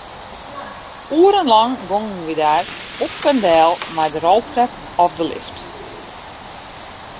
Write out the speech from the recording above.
Oerenlang gongen wy dêr op en del mei de roltrep of de lift.